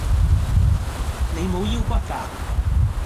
你無腰骨架